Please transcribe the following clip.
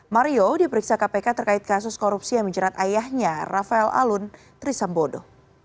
mario diperiksa kpk terkait kasus korupsi yang menjerat ayahnya rafael alun trisambodo